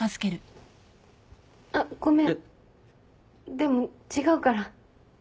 でも違うから。